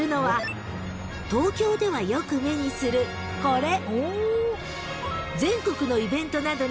［東京ではよく目にするこれ］